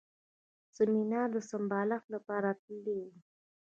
د سیمینار د سمبالښت لپاره تللی و.